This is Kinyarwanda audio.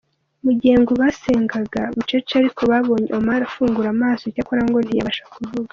Mu gihe ngo basengaga bucece ariko babonye Omar afungura amaso, cyokora ngo ntiyabasha kuvuga.